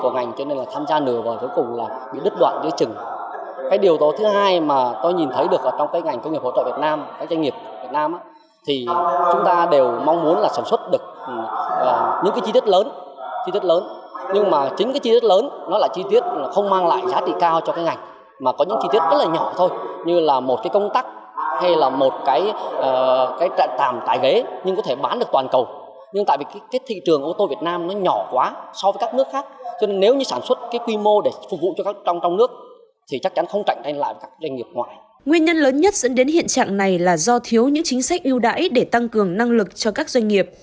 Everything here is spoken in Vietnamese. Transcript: nguyên nhân lớn nhất dẫn đến hiện trạng này là do thiếu những chính sách ưu đãi để tăng cường năng lực cho các doanh nghiệp